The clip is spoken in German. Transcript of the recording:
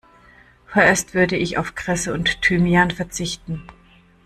Vorerst würde ich auf Kresse und Thymian verzichten.